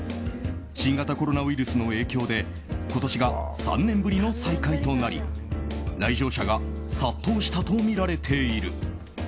新型コロナウイルスの影響で今年が３年ぶりの再開となり来場者が殺到したとみられている。